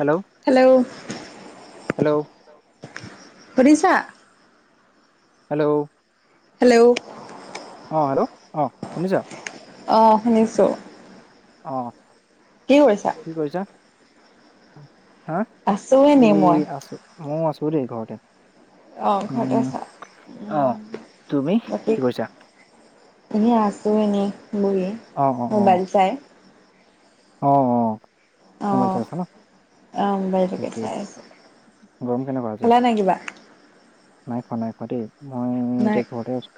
Hello hello hello শুনিছা hello hello অ hello অ শুনিছা অঁ শুনিছোঁ। অঁ, কৰিছা? কি কৰিছা? আছো এনেই মই। মইও আছো দেই ঘৰতে। অঁ ঘৰতে উম আছা, অ উমঁ' তুমি বাকি কি কৰিছা এই আছো এনেই বহি, অ মোবাইল চাই। অঁ অঁ। অঁ' অঁ', মোবাইলটোকে ঠিকেই চাই আছোঁ। গৰম কেনেকুৱা আজি? নাই খোৱা নাই খোৱা দেই। মই নাই এতিয়া ঘৰতে আছো,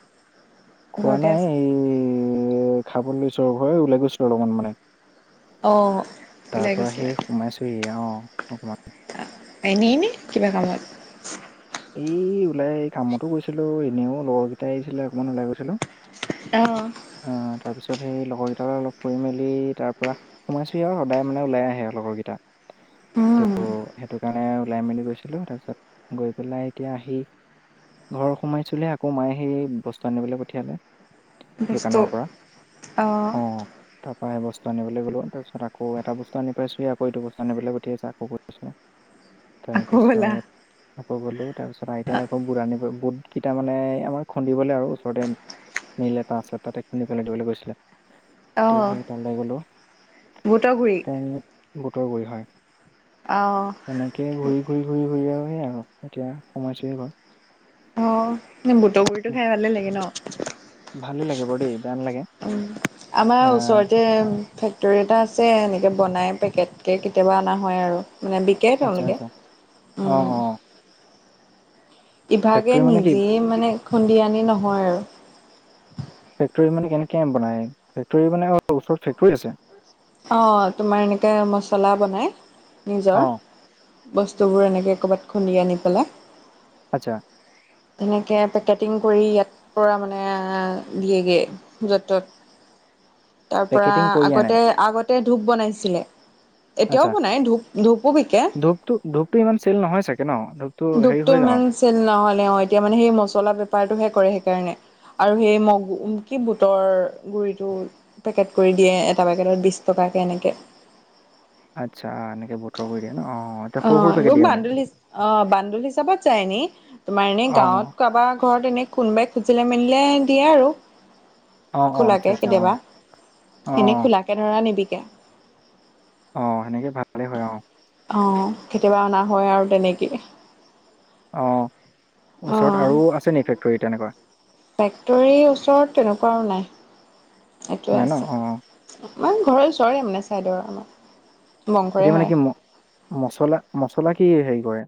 খোৱা ঘৰতে নাই আছো। এই খাবলৈ লৈছো আৰু হয় ওলাই গৈছো আৰু অলপমান মানে। অ। তাৰ ওলাই পৰা গৈছিলা? সেই সোমাইছোহি অঁ, অকমান। এনেই নে কিবা কামত? এই ওলাই কামতো গৈছিলো, এনেও লগৰ কেইটাই আহিছিলে অকমান ওলাই গৈছিলো। অঁ। আহ' তাৰ পিছত সেই লগৰ কেইটা অলপ ফুৰি মেলি তাৰ পৰা সোমাইছোহি আৰু সদায় মানে ওলাই আহে আৰু লগৰ কেইটা। উম। ত' সেইটো কাৰণে ওলাই মেলি বুলি গৈছিলো তাৰপিছত গৈ পেলাই এতিয়া আহি ঘৰ সোমাইছিলোহি আকৌ মায়ে আহি বস্তু আনিবলৈ পঠিয়ালে। বস্তু দোকানৰ পৰা অঁ। তাৰ পৰাই বস্তু আনলৈ গ'লো তাৰপছত আকৌ এটা বস্তু আনি পাইছোঁহি আকৌ এইটো বস্তু নিবলৈ গঠিয়াইছে আকৌ গৈছোঁ। [unintelligible] তাৰ গ'লা? পিছত আকৌ গ'লো তাৰপিছত আইতাই আকৌ বুট বুটকেইটা মানে আমাৰ খুন্দিবলৈ আৰু ওচৰতে মিল এটা আছে তাতে খুন্দি পেলাই দিবলৈ কৈছিলে, ত' সেই তালৈ গ'লো। বুটৰগুৰি। বুটৰগুৰি হয়। অঁ। তেনেকৈ ঘূৰি ঘূৰি ঘূৰি ঘূৰি আৰু সেই আৰু এতিয়া সোমাইছোঁৱেই ঘৰত। অঁ, বুটৰগুৰিটো খাই ভালেই লাগে ন'। ভালেই লাগে বাৰু দেই বেয়া নালাগে। উম, আমাৰ আহ ওচৰতে ফেক্টৰী এটা আছে এনেকৈ বনাই পেকেটকৈ কেতিয়াবা অনা হয় আৰু। মানে বিকে আচ্ছা তেওঁলোকে, আচ্ছা অ উমঁ। অ ইভাগে ফেক্টৰী মানে কি নিজে মানে খুন্দি আনি নহয় আৰু। ফেক্টৰী মানে কেনেকে বনাই, ফেক্টৰী মানে ওচৰত ফেক্টৰী আছে? অঁ তোমাৰ এনেকৈ মছলা বনায় অ নিজৰ। বস্তুবোৰ এনেকৈ ক'ৰবাত খুন্দি আনি পেলাই। আচ্ছা'। তেনেকে পেকেটিং কৰি ইয়াৰ পৰা মানে দিয়েগৈ- য'ত ত'ত। তাৰ পৰা পেকেটিং কৰি আনে আগতে আগতে ধূপ বনাইছিলে। এতিয়াও আচ্ছা বনাই ধূপ ধূপো বিকে, ধূপটো ধূপটো ইমান চেল নহয় চাগে ন হেৰি ধূপটো হৈ জানো ইমান চেল নহ'লে অঁ, এতিয়া মানে সেই মছলা বেপাৰটোহে কৰে সেইকাৰণে। আৰু সেই মগ কি বুটৰ গুৰিটো পেকেট কৰি দিয়ে এটা পেকেটত বিশ টকাকে এনেকে। আচ্ছা এনেকে বতৰ কৰি দিয়ে ন। এতিয়া সৰু সৰু অ' পেকেট এইবোৰ দিয়ে মানে বান্দুল অ' বান্দুল হিচাপত যায় নি? তোমাৰ এনেই অ গাঁৱত অ কাৰোবাৰ ঘৰত এনেই কোনোবাই খুজিলে মেলিলে দিয়া আৰু। অ অ আচ্ছা খোলাকৈ আচ্ছা অ কেতিয়াবা অ এনেই খোলাকে ধৰা নিবিকে। অঁ সেনেকে ভালে হয় অঁ। অঁ কেতিয়াবা অনা হয় আৰু তেনেকে। অঁ অ ওচৰত আৰু আছে নি ফেক্টৰী তেনেকুৱা? ফেক্টৰী ওচৰত তেনেকুৱা আৰু নাই। এইটোৱে নাই ন আছে, অ ইমান ঘৰৰ ওচৰে মানে চাইডৰ আমাৰ। বংশৰে এতিয়া মানে হয় কি ম মছলা মছলা কি হেৰি কৰে?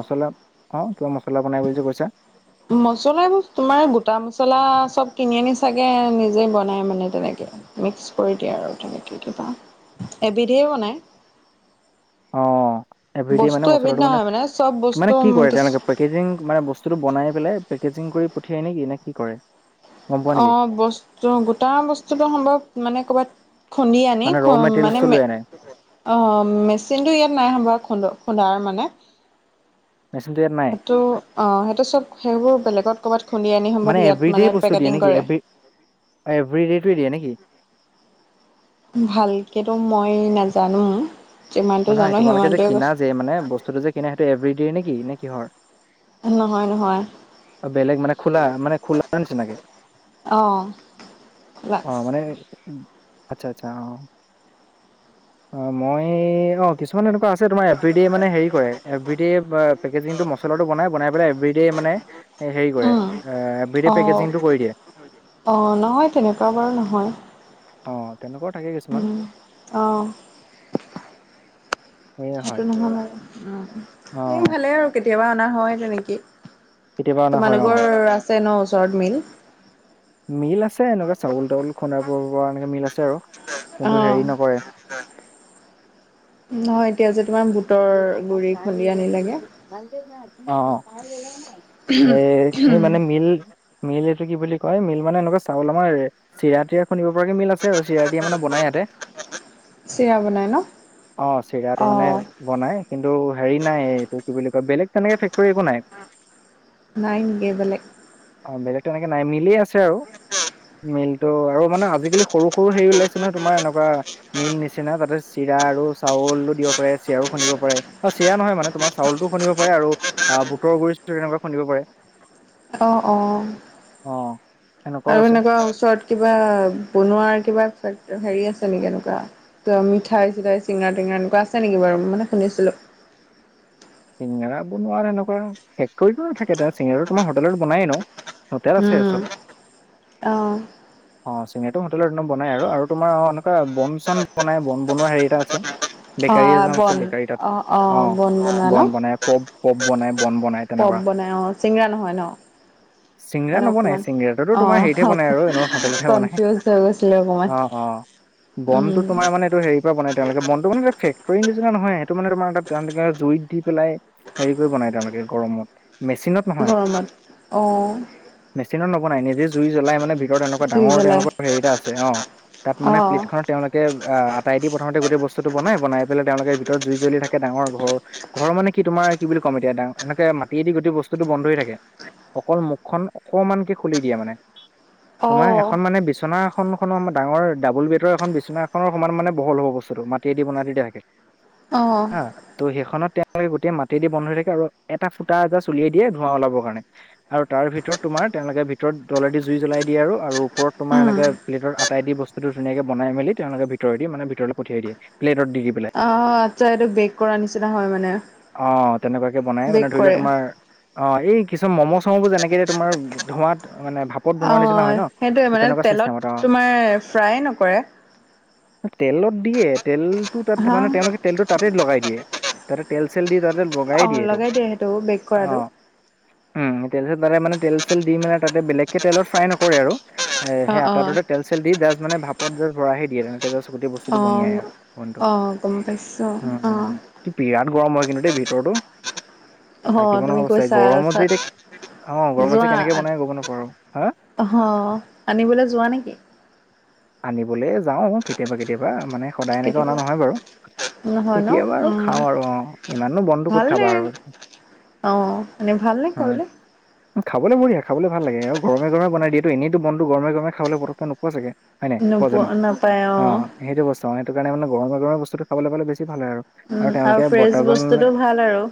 মছলা অঁ কিবা মছলা বনাই বুলি যে কৈছা। মছলা বোৰ তোমাৰ গোটা মছলা চব কিনি আনি চাগে নিজে বনাই মানে তেনেকে। মিক্স কৰি দিয়ে আৰু তেনেকৈ কিবা এবিধেই বনায়। অঁ এভেৰী ডে বস্তু মানে এবিধ মছলাটো মানে, নহয় চব বস্তু মানে কি কৰে কিছু তেওঁলোকে পেকেজিং মানে ব স্তুটো বনাই পেলাই পেকেজিং কৰি পঠিয়াই নেকি নে কি কৰে? গম পোৱা নেকি অঁ বস্তু গোটা বস্তুটো সম্ভৱ মানে ক'ৰবাত খুন্দি আনি মানে ৰ মানে মেটেৰিয়েলছটো মে লৈ আনে অঁ মেচিনটো ইয়াত নাই সম্ভৱ খুন্দ খুন্দাৰ মানে। মেছিনটো ইয়াত নাই। সেইটো অঁ সেইটো চব সেইবোৰ বেলেগত ক'ৰবাত খুন্দি আনি সম্ভৱ মানে ইয়াত মানে পেকেটিং কৰে। এভেৰী ডেটো দিয়ে নেকি? ভালকেতো মই নাজানো। যিমানটো নহয় জানো তোমালোকে যে সিমানটোৱে কিনা কৈছো যে মানে বস্তুটো যে কিনা সেইটো এভেৰী ডে নেকি নে কিহৰ? নহয় নহয়। অ' বেলেগ মানে খোলা মানে খোলা নিচিনাকে? অঁ। লাজ অ' মানে আচ্ছা আচ্ছা অঁ। অ' মই অ', কিছুমান এনেকুৱা আছে তোমাৰ এভৰী ডে' মানে হেৰি কৰে এভৰী ডে পেকেজিংটো মছলাটো বনাই বনাই পেলাই এভৰীড়ডে মানে হেৰি কৰে উম এভৰী ডে অঁ পেকেজিংটো কৰি দিয়ে। অঁ নহয় তেনেকুৱা বাৰু নহয়। অঁ, তেনেকুৱাও থাকে কিছুমান। অঁহ। সেয়ে সেইটো হয় নহয় মানে। মোৰ অ', ভালেই আৰু কেতিয়াবা অনা হয় তেনেকে। কেতিয়াবা অনা হয় অ', তোমালোকৰ আছে ন ওচৰত মিল? মিল আছে এনেকুৱা চাউল তাউল খুন্দাব পৰা এনেকৈ মিল আছে আৰু, কিন্তু অঁ হেৰি নকৰে। অঁ এতিয়া যে তোমাৰ বুটৰ গুৰি খুন্দি আনি লাগে। অঁ এই এই মানে মিল মিল এইটো কি বুলি কয় মিল মানে এনেকুৱা চাউল আমাৰ চিৰা তিৰা খুন্দিব পৰাকে মিল আছে। আৰু চিৰা তিৰা মানে বনাই ইয়াতে, চিৰা বনাই ন অঁ চিৰাটো মানে অঁ বনাই কিন্তু হেৰি নাই এইটো কি বুলি কয় বেলেগ তেনেকে ফেক্টৰী একো নাই। নাই নেকি বেলেগ? অঁ বেলেগ তেনেকে নাই মিলেই আছে আৰু মিলটো আৰু মানে আজিকালি সৰু সৰু হেৰি ওলাইছে নহয় তোমাৰ এনেকুৱা মিল নিচিনা তাতে চিৰা আৰু চাউলটো দিব পাৰে। চিৰাও খুন্দিব পাৰে অ' চিৰা নহয় মানে তোমাৰ চাউলতো খুন্দিব পাৰে আৰু অহ বুটৰ গুৰি তেনেকুৱা ইয়াৰপৰা খুন্দিব পাৰে। অ', অ'। অ'। সেনেকুৱাও আৰু আছে সেনেকুৱা ওচৰত কিবা বনোৱাৰ কিবা হেৰি আছে নেকি এনেকুৱা। মিঠাই চিঠাই চিঙাৰা টিঙৰা এনেকুৱা আছে নেকি বাৰু মানে শুনিছিলোঁ। চিঙেৰা বনোৱা এনেকুৱা ফেক্টৰিটো নাথাকে চিঙৰাটো মই হোটেলত বনাই ন। হোটেল আছে চব। অহ। অ', চিনেয়াৰটো হোটেলত একদম বনাই আৰু তোমাৰ অ', এনেকুৱা বন চন বনাই বন বনোৱা হেৰি এটা আছে। হা বেকাৰী এজন আছে বন বেকাৰী তাত অ', অ', বন, বন। হেল্ল' বনাই পপ পপ বনাই বন বনাই পপ তেনেকুৱা। বনাই অ', চিংৰা নহয় ন। চিংৰা মানে নবনাই অকমান চিংৰাটোতো তোমাৰ অ', হেৰিতহে বনাই আৰু এনেও হোটেলতহে বনাই কনফিউজ হৈ গৈছিলোঁ অকণমান। [inaudible] বনতটো তোমাৰ মানে এইটো হেৰি বনাই তেওঁলোকে বনটো মানে ফেক্টৰী নিচিনা নহয় সেটো মানে তোমাৰ ত তেওঁলোকে জুই পেলাই হেৰি কৰি বনাই তেওঁলোকে গৰমত মেচিনত নহয় গৰমত অহ। মেচিনত নবনাই নিজে জুই জ্বলাই মানে ভিতৰতলোকৰ জুই ডাঙৰ জ্বলাই তেওঁলোকৰ হেৰি এটা আছে অ', তাত অ মানে প্লেটখত তেওঁলোকে আহ আটাই দি প্ৰথমতে গোটেই বস্তুটো বনাই, বনাই পেলাই তেওঁলোকে ভিতৰত জুই জ্বলি থাকে ডাঙৰ ঘৰ ঘৰৰ মানে কি তোমাৰ কি বুলি ক'ম এতিয়া এনেকে মাটি দি গোটেই বস্তুটো বন্ধ হৈ থাকে। অকল মুখখন অকমানকে খুলি দিয়ে মানে। অ তোমাৰ এখন মানে বিচনা এখন খনৰ ডাঙৰ ডাবুল বেডৰ এখন বিচনা এখনৰ সমান মানে বহল হ'ব বস্তুটো মাটিটো এই দি বনাই থোৱা থাকে অ হা তো সেই খনত গোটেই মাটি দি বন্ধ হৈ থাকে আৰু এটা ফুটা এটা উলিয়াই দিয়ে ধোঁৱা ওলাব কাৰণে আৰু তাৰ ভিতৰত তোমাৰ তেওঁলোকে ভিতৰত তলেদি জুই জ্বলাই দিয়ে আৰু ওপৰত তোমাৰ উম এনেকে প্লেটত আটাই দি বস্তুটো ধুনীয়াকে বনাই মেলি তেওঁলোকে ভিতৰ দি মানে ভিতৰেলে পঠিয়াই দিয়ে প্লেটত দি, দি পেলাই অ', আচ্ছা এইটো বেক কৰা নিচিনা হয় মানে। অ', তেনেকুৱাকে বনাই বেক মানে ধৰি লওক কৰে তোমাৰ অ', এই কিছুমান মমো' চমোবোৰ যেনেকে তোমাৰ ধোঁৱাত মানে ভাব অ', সেইটোৱে মানে তেলত অ তোমাৰ ফ্ৰাই নকৰে। তেলত দিয়ে তেলটো তাত হা মানে তেওঁলোকে তেলটো তাতেই লগাই দিয়ে। তাতে তেল চেল দি তাতেল বগাই অ দিয়ে আৰু লগাই সেইটো বেক কৰাটো অ'। উম তেল তাতে মানে তেল চেল দি মানে তাতে বেলেগকে তেলত ফ্ৰাই নকৰে আৰু। এ সেই অ আতটাটোতে তেল চেল দি যাষ্ট মানে ভাপত জ ভৰাইহি দিয়ে। তাৰপিছত গোটেই বস্তুতটো বনি আহে বনটো অ গম পাইছোঁ অ উম। বিৰাট গৰম হয় কিন্তু দেই ভিতৰতো অ থাকিব তুমি নোৱাৰা অৱস্থা কৈছা গৰমত চা যে এতি অ', গৰমত যে কেনেকে বনাই গ'ব নাপা আৰু হা। অহ আনিবলৈ যোৱা নেকি। আনিবলৈ যাওঁ কেতিয়াবা কেতিয়াবা মানে সদায় এনেকেও অনা কেতিয়াবা নহয় বাৰু। নহয় ন কেতিয়াবা আৰু উম খাওঁ আৰু অ', ইমানো বনতো ক'ত ভালনে খাবা আৰু। অ', এনেই ভালনেে উম। খাবলে। খাবলৈ বঢ়িয়া খাব ভাল লাগে আৰু গৰমে গৰমে বনাই দিয়েটো এনেতো বনতো গৰমে গৰমে খাবলৈ পতকে নোপোৱা চাগে। হয় নাই কোৱাজনক নোপোৱা নাপায় অ', সেইটো বস্তু অ', সেইটো কাৰণে মানে গৰমে গৰমৰ বস্তুটো খাবলৈ পালে বেছি ভাল হয় আৰু। উম আৰু ফ্ৰেছ বস্তুটো ভাল আৰু।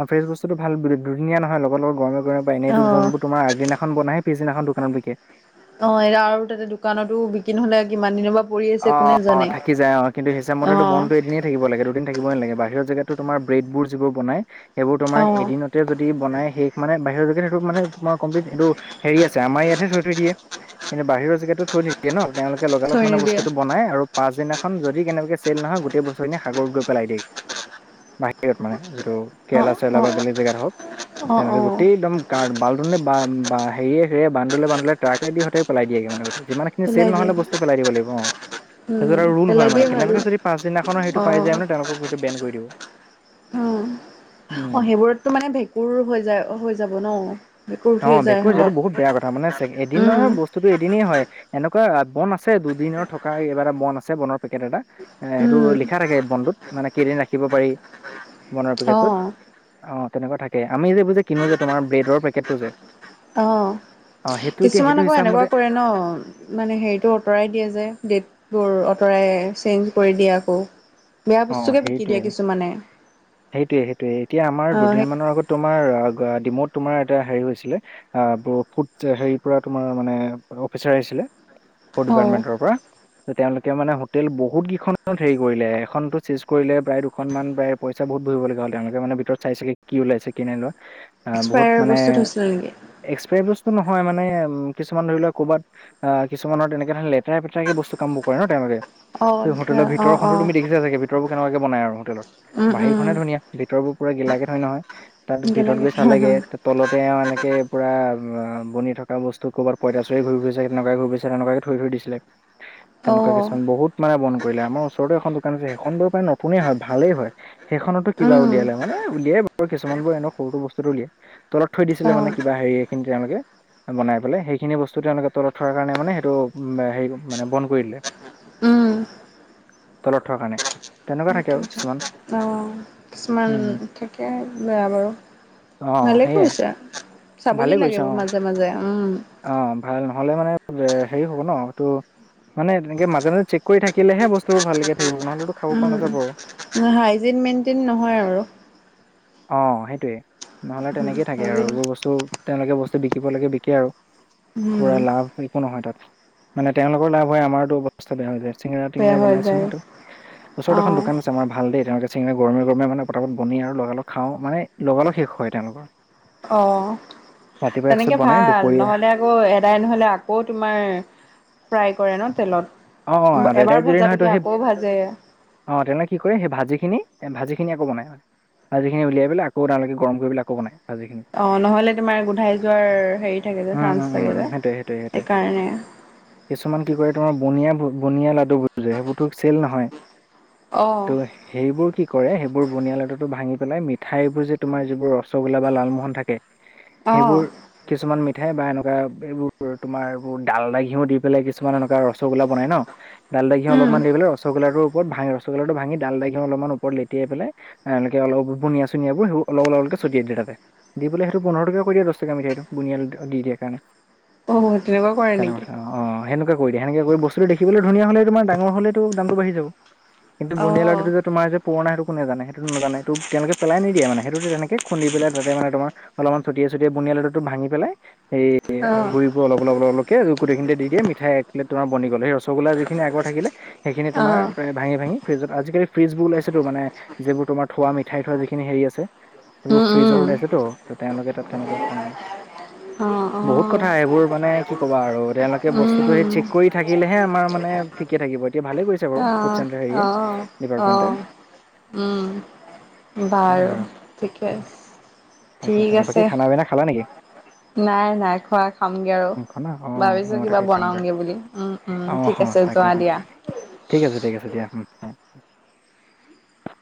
অ', ফ্ৰেচ বস্তুটো ভাল দুদিনীয়া নহয় লগৰ লগত গৰমে গৰমৰ পৰা এইতো অ বনতো তোমাৰ আগদিনা ধান বনাই পিছদিনাখন দোকানত বিকে অ এতিয়া আৰু তাতে দোকানতো বিকি নহলে কিমান দিনৰ পা অ অ থাকি যায় অ কিন্তু হিচাপ অ মতেতো বনটো এদিন থাকিব লাগে দুদিন থাকিবই নেলাগে বাহিৰ জেগাতো তোমাৰ ব্ৰেডবোৰ যিবোৰ বনাই সেইবোৰ তোমা অ এদিনত যদি বনাই শেষ মানে বাহিৰত গৈকিনে সেইটো মানে তোমাৰ কমপ্লিট এইটো হেৰি আছে আমাৰ ইয়াতহে থৈ থৈ দিয়ে। কিন্তু বাহিৰৰ জেগাতো থৈ নিদিয়ে ন তেওঁলোকে লগালগ থৈ মানে বস্তু নিদিয়ে বনাই আৰু পাছদিনাখন যদি কেনেকেবাকে চেল নহয় গোটেই বস্তুখিনি সাগৰত গৈ পেলাই দিয়ে। বাহিৰত মানে যিটো অ কেৰেলা চৰেলা বা বেলেগ অ জেগাত হওঁক অ অ তেনেকে গোতেই একদম কাৰ বাল্দনে বা হেয়ে হেয়ে বান্দলে বান্দলে ট্ৰাকে দি সিঁহতে পেলাই দিয়েগে মানে সিহঁতে যিমানে পেলাই চেল দিয়ে নহলে বস্তু পেলাই দিব লাগিব অ'। তাৰপিছত উম আৰু ৰোল পেলাই হয় মানে দিয়ে ভাল কেনেবাকৈ যদি পাছদিনাখৰ সেইটো অ পাই যায় মানে তেওঁলোকক সেইটো বেন কৰি দিব। উম উম, সেইবোৰতটো মানে ভেঁকুৰ হৈ যায় হৈ যাব ন। ভেঁকুৰ উঠি অ যায় ভেকুৰ সম্ভৱ যিহেতু বহুত বেয়া কথা মানে এদিনৰ উম ব বস্তুটো এদিনেই হয় এনেকুৱা বন আছে দুদিনৰ থকা এই কিবা এটা বন আছে বনৰ পেকেট এটা এ সেইটো উম লিখা থাকে বনটোত মানে কেইদিন ৰাখিব পাৰি, বন অ পেকেটটোত অ তেনেকুৱা থাকে আমি যে এইবো যে কিনো যে তোমাৰ ব্ৰেডৰ পেকেট টো যে অ সেইটো এতিয়া কিছুমান সেইটো আকৌ হিচাপ এনেকুৱা মতে কৰে ন মানে হেৰিটো আতৰাই দিয়ে যে গেটবোৰ আতৰাই চেঞ্জ কৰি দিয়ে আকৌ বেয়া অ বস্তুকে বিকি দিয়ে সেইটোৱে, কিছুমানে সেইটোৱে সেইটোয়ে এতিয়া আমাৰ অ', দুদিনমানৰ আগত তোমাৰ ডিমৌত তোমাৰ এটা হেৰি হৈছিলে আহ বু ফুট হেৰি পৰা তোমাৰ মানে অফিচাৰ আহিছিলে ফুট অ', ডিপাৰ্টমেণ্টৰ পৰা তেওঁলোকে মানে হোটেল বহুত কেইখনত হেৰি কৰিলে এখনটো চেজ কৰিলে প্ৰায় দুখনমানান প্ৰায় পইচা বহুত ভৰিবলগা হল তেওঁলোকে মানে ভিতৰত চাইছেগে কি ওলাইছে কি নাই ওলোৱা আহ বহুত এক্সপায়াৰ মানে বস্তু থৈছিলে নেকি? এক্সপ্ৰাই বস্তু নহয় মানে কিছুমান ধৰি লোৱা ক'বাত অ কিছুমানৰ তেনেকে ধৰ লেটেৰা-পেতেৰাকে বস্ত কামবোৰ কৰে ন তেঁওলোকে অ', ধৰা হোটেলৰ অ', ভিতৰখনো তুমি অ'। দেখিছা ভিতৰবোৰ কেনকাকে বনাই আৰু হোটেলত উম, উম, বাহিৰখনে ধুনীয়া ভিতৰবোৰ পুৰা গিলাকে থয় নহয়। তাত ভিতৰত গেলেগে গৈ অ'। চালেগে উম। ত তলতে এনেকে পুৰা বনি থকা বস্তু ক'ৰবাত পইতাচোৰাই ঘূৰিফুৰিছে সেনকুৱাই ঘুৰি ফুৰি তেনেকুৱাকে থৈ থৈ দিছিলে, তেনেকুৱা অ'। কিছুমান বহুত মানে বন্ধ কৰিলে আমাৰ ওচৰটো এখন দো কান আছে সেইখন বোৰ প্ৰায় নতুনে হয় ভালেই হয়। সেইখনতো কিবা উলিয়ালে মানে উলিয়াই বাৰু কিছুমান বোৰ এনেও সৰুটো বস্তুটো উলিয়াই। তলত থৈ দিছিলে মানে কিবা হেৰিখিনি তেওঁলোকে বনাই পেলাই সেইখিনি বস্তু তেওঁলোকে তলত থোৱা কাৰণে মানে সেইটো হেৰি মানে বন্ধ কৰি দিলে উম। তলত থোৱাৰ কাৰণে তেনেকুৱা থাকে আৰু সেইটোৱে। কিছুমান। অ কিছুমান, উম থাকে আৰু বেয়া বাৰু অ ভালেই সেয়াই কৰিছা। ভালে চাবহি লাগে কৰিছে এইবো অ মাজে মাজে উম অ' ভাল নহলে মানে হেৰি হব ন এইটো মানে তেনেকে মাজে মাজে চেক কৰি থাকিলেহে বস্তুবোৰ ভালকে থাকিব নহলেতো খাব পৰা নাযাব আৰু উম', হাইজিন মেইনটেইন নহয় আৰু অ' সেইটোয়ে নহ'লে তেনেকেই থাকে আৰু হাইজিন এইবোৰ বস ত' তেওঁলোকে বস্তু বিকিব লাগে বিকে আৰু উম, কৰা লাভ একো নহয় তাত, মানে তেওঁলোকৰ লাভ হয় আমাৰতো অৱস্থা বেয়া হৈ যায় বেয়া চিংৰা-টিংৰা হৈ বনাই যায় চিংৰাটো ওচৰত এখন অ'। দোকান আছে আমাৰ ভাল দেই, তেওঁলোকে চিঙৰা গৰমে, গৰমে মানে পতাপত বনে, আৰু লগা-লগ খাওঁ, মানে লগা-লগ শেষ হয় তেওঁলোকৰ। অ, ৰাতিপুৱা একচুট তেনেকে বনাই ভাল দুপৰীয়া নহ'লে আকৌ এদাই নহ'লে, আকৌ তোমাৰ, ফ্ৰাই কৰে ন, অ তেলত। আদাৰটাই এবাৰ যদি নহয়তো ভজাতোকে, সেই আকৌ ভাজে। অ, তেনেহ'লে কি কৰে, সেই ভাজিখিনি, ভাজিখিনি আকৌ বনাই হয়। ভাজিখিনি উলিয়াই পেলায়, আকৌ তেওঁলোকে গৰম কৰি পেলাই আকৌ বনাই। ভাজিখিনি অ, নহ'লে তোমাৰ গোন্ধাই যোৱাৰ হেৰি থাকে যে, উম উম চান্স উম থাকে যে সেইটোৱে সেইটোৱে সেইটোৱে সেইকাৰণে। কিছুমান কি কৰে, তোমাৰ বুনিয়া-বনিয়া লাডুবোৰ যে সেইবোৰতো চেল নহয়, অ তো সেইবোৰ কি কৰে, সেইবোৰ বুনিয়া লাডোটো, ভাঙি পেলাই মিঠাইবোৰ যে তোমাৰ যিবোৰ ৰসগোল্লা বা লা'লমোহন থাকে [unintelligible] সেইবোৰ। কিছুমান মিঠাই বা এনেকুৱা এইবোৰ তোমাৰ এইবোৰ ডাল দা, ঘিও দি পেলাই, কিছুমান এনেকুৱা ৰ ৰসগোল বনাই ন, ডাল দা, ঘিও উম অলপমান দি পেলাই ৰসগোল্লাটো ওপৰত ভাঙি ৰসগোল্লাটো ভাঙি ডাল দা, ঘিও অলপ ওপৰত লেটিয়াই পেলাই এওঁলোকে অলপ বুনীয়া-চুনিয়াবোৰ সেইবোৰ অলপ, অলপকে চটিয়াই দিয়ে তাতে। দি, পেলাই সেইটো পোন্ধৰ টকীয়া কৰি দিয়ে, দহ টকায়া মিঠাইটো বুনীয়া দি দিয়ে কাৰণে। অ, তেনেকুৱা কৰে নেকি? অ, সেনেকুৱা কৰি দিয়ে, সেনেকে কৰি বস্তুটো দেখিবলৈ ধুনীয়া হলে, তোমাৰ ডাঙৰ হ'লেতো দামটো বাঢ়ি যাব। কিন্তু অ বনিয়াৰ লাডুটো যে, তোমাৰ যে পুৰণা সেইটোকো নাজানে, সেইটো নাজানে, সেইটো তেওঁলোকে পেলাই নিদিয়ে মানে, সেইটোতে তেনেকে খুন্দি পেলাই তাতে মানে তোমাৰ অলপমান ছটিয়াই, ছটিয়াই বনিয়াৰ লাডুটো ভাঙি পেলাই সেই অ গুৰি বোৰ অলপ, অলপ, অলপ -অলকে গোটেই খিনিতে দি দিয়ে মিঠাই তোমাৰ বনি গ'ল, সেই ৰসগোল্লা যিখিনি আগৰ থাকিলে সেইখিনি অ তোমাৰ ভাঙি-ভাঙি ফ্ৰিজত, আজিকালি ফ্ৰিজ বোৰ ওলাইছেতো মানে যিবোৰ তোমাৰ থোৱা, মিঠাই থোৱা যিখিনি হেৰি আছে। সেইবোৰ উম ফ্ৰিজৰ উম ওলাইছেতো ত, তেওঁলোকে তাত তেনেকে বনাই। অ অ বহুত কথা সেইবোৰ মানে কি ক'বা আৰু তেওঁলোকে বস্তুটো সেই উম চেক কৰি থাকিলেহে আমাৰ মানে ঠিকে থাকিব, এতিয়া ভালে কৰিছে বাৰু অ ফুড, চেণ্টাৰ হেৰিয়ে। অ অ, ডিপাৰ্টমেণ্টে উম, বাৰু, সেয়াই আৰু ঠিকে আছে, তাকে ঠিক তাকে বাকী আছে। খানা পিনা খালা নেকি নাই, নাই খোৱা খামগে আৰু খানা অ ভাবিছো মই তাকে কিবা খাওঁগৈ বনাওগে বুলি। উম উম অ, ঠিক হ আছে তাকে, যোৱা তাকে দিয়া ঠিক আছে ঠিক আছে, দিয়া।